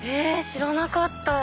知らなかった。